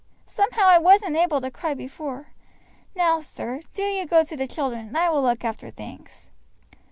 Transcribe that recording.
Somehow I wasn't able to cry before. Now, sir, do you go to the children and I will look after things."